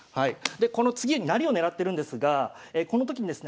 この次に成りを狙ってるんですがこの時にですね